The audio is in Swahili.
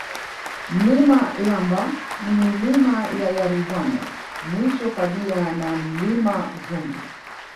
Mlima Yamba na Milima ya Yaruvano mwisho kabia ni Mlima Zumbu